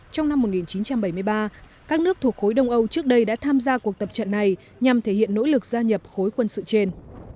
trong năm một nghìn chín trăm bảy mươi ba các nước thuộc khối đông âu trước đây đã tham gia cuộc tập trận này nhằm thể hiện nỗ lực gia nhập khối quân sự trên